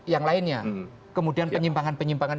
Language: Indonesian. yang lainnya kemudian penyimpangan penyimpangan